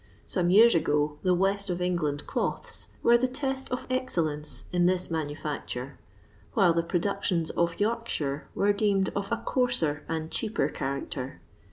Some years ago the ' west of England cloths' were the test of excellence in this manu&c ture; while the productions of Yorkshire were deemed of a coarser and cheaper character.